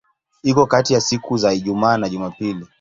Iko kati ya siku za Ijumaa na Jumapili.